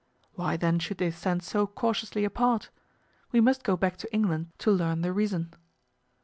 Why then should they stand so cautiously apart? We must go back to England to learn the reason.